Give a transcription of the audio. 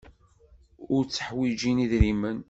Ur tteḥwijin idrimen.